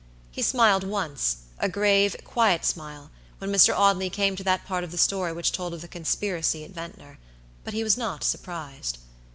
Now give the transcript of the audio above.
He smiled once, a grave, quiet smile, when Mr. Audley came to that part of the story which told of the conspiracy at Ventnor; but he was not surprised.